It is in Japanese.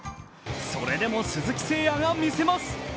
それでも鈴木誠也が見せます。